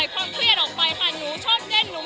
ปล่อยโครงเคลียดออกไปชอบเต้น